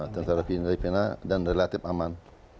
tentara filipina dan relatif aman